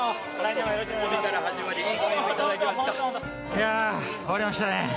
いやあ終わりましたね。